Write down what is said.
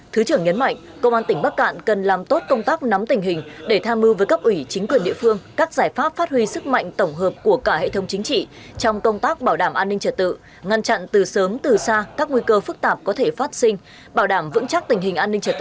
thứ trưởng nhấn mạnh công an tỉnh bắc cạn cần làm tốt công tác nắm tình hình để tha mưu với cấp ủy chính quyền địa phương các giải pháp phát huy sức mạnh tổng hợp của cả hệ thống chính trị trong công tác bảo đảm an ninh trật tự ngăn chặn từ sớm từ xa các nguy cơ phức tạp có thể phát sinh bảo đảm vững chắc tình hình an ninh trật tự